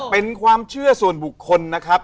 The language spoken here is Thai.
เป็นความเชื่อส่วนบุคคลนะครับ